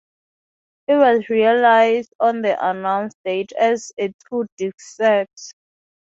It was released on the announced date as a two-disc set.